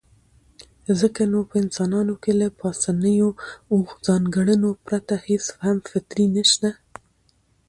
ځکه نو په انسانانو کې له پاسنيو اووو ځانګړنو پرته هېڅ هم فطري نشته.